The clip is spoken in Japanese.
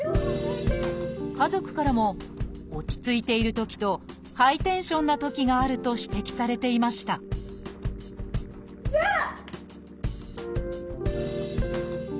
家族からも落ち着いているときとハイテンションなときがあると指摘されていましたじゃあ！